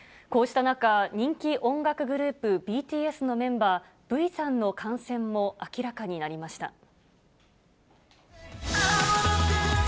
こうした中、人気音楽グループ、ＢＴＳのメンバー、Ｖさんの感染も明らかになりました。